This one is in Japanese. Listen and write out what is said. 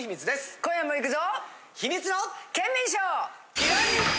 今夜もいくぞ！